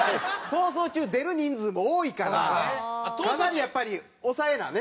『逃走中』出る人数も多いからかなりやっぱり押さえなね。